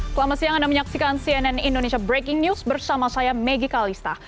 selamat siang anda menyaksikan cnn indonesia breaking news bersama saya maggie kalista